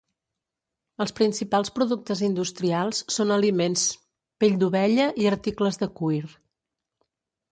Els principals productes industrials són aliments, pell d'ovella i articles de cuir.